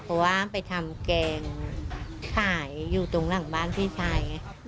เพราะว่าไปทำแกงขายอยู่ตรงหลังบ้านพี่ชายไง